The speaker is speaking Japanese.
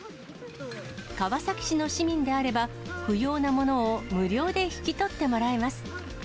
川崎市の市民であれば、不用なものを無料で引き取ってもらえます。